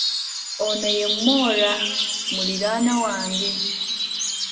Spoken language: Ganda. Ono ye Moraa, muliraanwa wange.